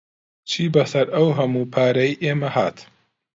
چی بەسەر ئەو هەموو پارەیەی ئێمە هات؟